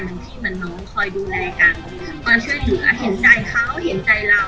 พี่เหมือนน้องคอยดูแลกันความช่วยเหลือเห็นใจเขาเห็นใจเรา